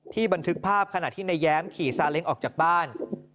บันทึกภาพขณะที่นายแย้มขี่ซาเล้งออกจากบ้าน